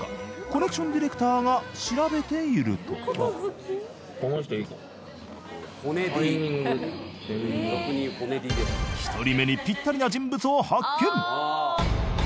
コネクションディレクターが調べていると１人目にピッタリな人物を発見！